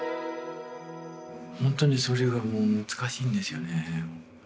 本当にそれが難しいんですよね。